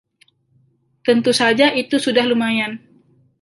Tentu saja itu sudah lumayan.